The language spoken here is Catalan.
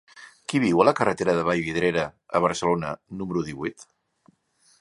Qui viu a la carretera de Vallvidrera a Barcelona número divuit?